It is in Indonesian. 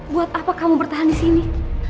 buat apa kamu bertahan di sini